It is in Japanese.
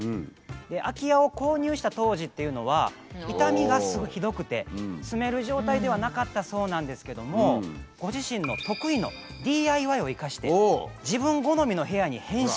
空き家を購入した当時っていうのは傷みがひどくて住める状態ではなかったそうなんですけどもご自身の得意のＤＩＹを生かして自分好みの部屋に変身をさせたと。